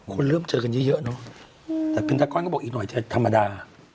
คนเริ่มเจอกันเยอะเยอะเนอะอืมแต่เป็นตะกอนก็บอกอีกหน่อยใช่ไหมธรรมดา